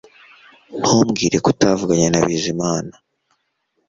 Ntumbwire ko utavuganye na Bizimana